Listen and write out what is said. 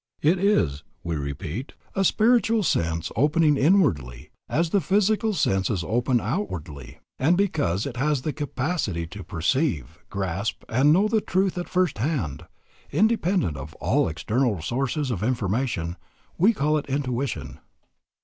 ... It is, we repeat, a spiritual sense opening inwardly, as the physical senses open outwardly; and because it has the capacity to perceive, grasp, and know the truth at first hand, independent of all external sources of information, we call it intuition.